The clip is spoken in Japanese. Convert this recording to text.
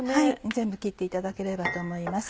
全部切っていただければと思います。